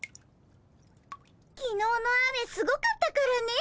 きのうの雨すごかったからね。